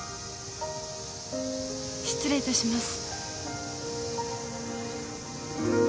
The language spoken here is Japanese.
失礼いたします。